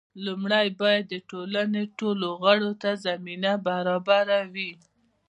لومړی باید د ټولنې ټولو غړو ته زمینه برابره وي.